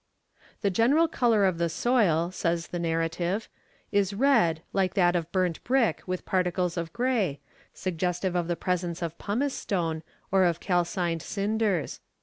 "The general colour of the soil," says the narrative, "is red, like that of burnt brick with particles of grey, suggestive of the presence of pumice stone, or of calcined cinders.